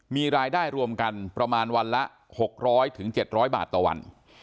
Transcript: มีรายได้รวมกันประมาณวันละ๖๐๐๗๐๐บาทต่อวัน